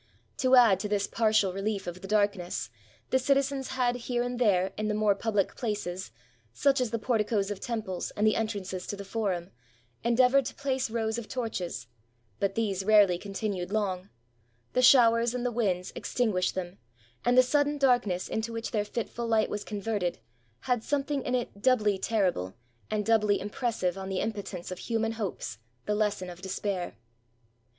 To add to this partial reHef of the darkness, the citizens had, here and there, in the more pubhc places, such as the porticos of temples and the entrances to the forum, endeavored to place rows of torches; but these rarely continued long; the showers and the winds extinguished them, and the sudden darkness into which their fitful hghtwas converted had something in it doubly terrible and doubly impressive on the im potence of human hopes, the lesson of despair.